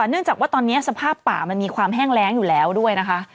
เนื่องจากว่าตอนนี้สภาพป่ามันมีความแห้งแรงอยู่แล้วด้วยนะคะ